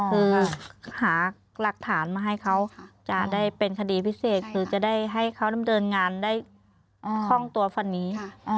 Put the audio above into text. คือหาหลักฐานมาให้เขาจะได้เป็นคดีพิเศษคือจะได้ให้เขาดำเนินงานได้คล่องตัวฟันนี้